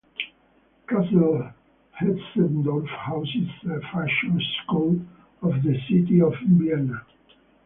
Castle Hetzendorf houses a fashion school of the City of Vienna.